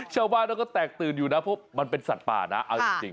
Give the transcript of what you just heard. ชาวบ้านมันก็แตกตื่นอยู่นะเพราะมันเป็นสัตว์ป่านะ